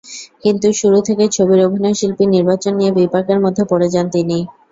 কিন্তু শুরু থেকেই ছবির অভিনয়শিল্পী নির্বাচন নিয়ে বিপাকের মধ্যে পড়ে যান তিনি।